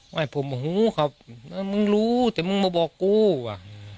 ว่าผมหูครับมึงรู้แต่มึงมาบอกกูว่ะ